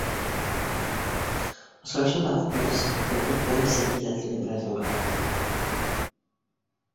Осрашыуҙы алып барыусы округ комиссияһы председателе графинға һуҡты: